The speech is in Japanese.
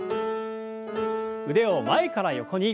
腕を前から横に。